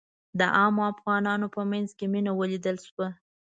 د عامو افغانانو په منځ کې مينه ولیدل شوه.